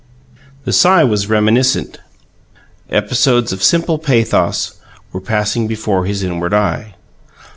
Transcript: The sigh was reminiscent: episodes of simple pathos were passing before his inward eye.